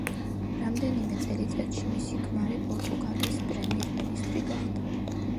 რამდენიმე წელიწადში მისი ქმარი პორტუგალიის პრემიერ-მინისტრი გახდა.